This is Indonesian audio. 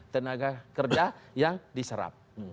tenaga kerja yang diserap